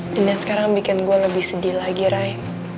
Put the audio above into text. dan yang sekarang bikin gue lebih sedih lagi rey